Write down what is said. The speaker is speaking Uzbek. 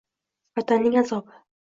Vatanning azobi